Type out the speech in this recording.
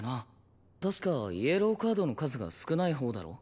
確かイエローカードの数が少ないほうだろ。